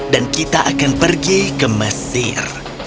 dan kita akan pergi ke mesir